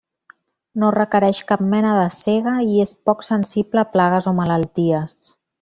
No requereix cap mena de sega i és poc sensible a plagues o malalties.